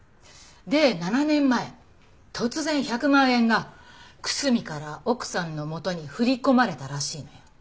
で７年前突然１００万円が楠見から奥さんのもとに振り込まれたらしいのよ。